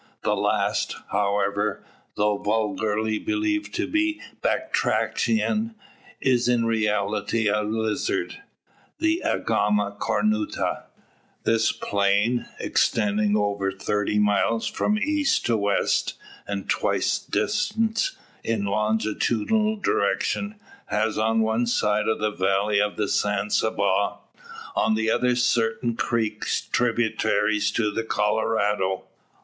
The last, however, though vulgarly believed to be a batrachian, is in reality a lizard the Agama cornuta. This plain, extending over thirty miles from east to west, and twice the distance in a longitudinal direction, has on one side the valley of the San Saba, on the other certain creeks tributary to the Colorado.